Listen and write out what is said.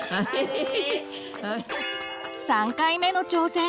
３回目の挑戦！